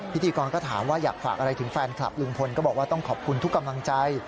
พิธีกรก็ถามว่าอยากฝากอะไรถึงแฟนคลับลุงพลก็บอกว่าต้องขอบคุณทุกกำลังใจ